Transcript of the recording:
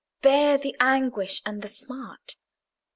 Bear the anguish and the smart.